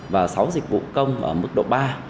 và sáu dịch vụ công ở mức độ ba